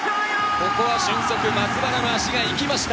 ここは俊足・松原の足が生きました。